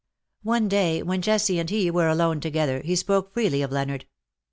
One day when Jessie and he were alone together, he spoke freely of Leonard.